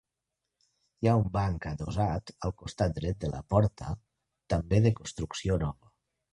Hi ha un banc adossat al costat dret de la porta, també de construcció nova.